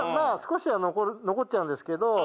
あ少しは残っちゃうんですけど。